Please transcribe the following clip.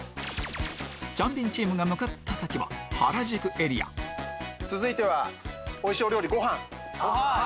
チャンビンチームが向かった先は原宿エリア続いてはおいしいお料理ごはん！